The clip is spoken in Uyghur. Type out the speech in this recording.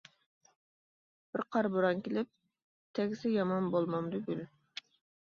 بىر قارا بوران كېلىپ، تەگسە يامان بولمامدۇ گۈل.